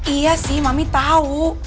iya sih mami tau